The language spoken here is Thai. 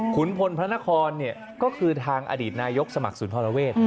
ขุนพลพระนครเนี่ยก็คือทางอดีตนายกสมัครศูนย์ฮอลเวท